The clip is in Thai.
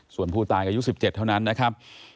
ส่วนผู้ตายอายุ๑๗เท่านั้นนะครับ